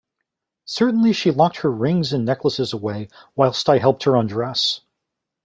Certainly she locked her rings and necklaces away whilst I helped her undress.